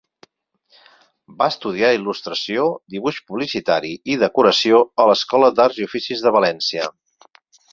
Va estudiar Il·lustració, Dibuix Publicitari i Decoració a l'Escola d'Arts i Oficis de València.